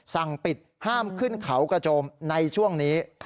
สั่งปิดห้ามขึ้นเขากระโจมในช่วงนี้